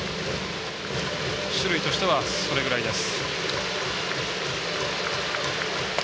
種類としてはそれぐらいです。